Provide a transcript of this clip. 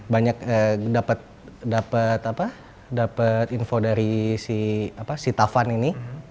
banyak dapat info dari si tavan ini